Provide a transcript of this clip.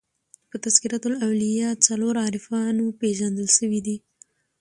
په "تذکرةالاولیاء" څلور عارفانو پېژندل سوي دي.